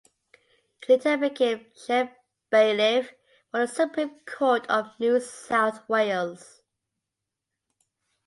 He later became chief bailiff for the Supreme Court of New South Wales.